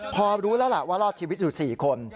พอรู้แล้วล่ะว่ารอดชีวิตอยู่๔คน